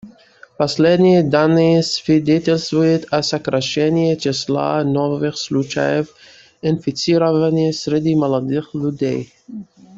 Последние данные свидетельствуют о сокращении числа новых случаев инфицирования среди молодых людей.